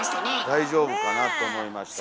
大丈夫かなと思いましたけど。